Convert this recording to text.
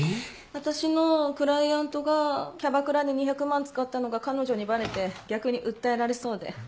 私のクライアントがキャバクラで２００万使ったのが彼女にバレて逆に訴えられそうで。